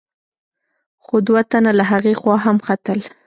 خو دوه تنه له هغې خوا هم ختل.